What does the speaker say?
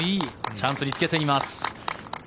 チャンスにつけています。